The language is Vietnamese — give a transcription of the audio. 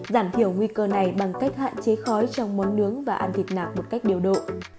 giảm thiểu nguy cơ này bằng cách hạn chế khói trong món nướng và ăn thịt nạc một cách đều độ